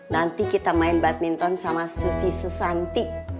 nanti kita main badminton sama susi susanti